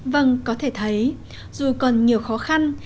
vâng có thể thấy dù còn nhiều khó khăn